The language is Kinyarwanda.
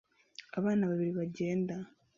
abana babiri bagenda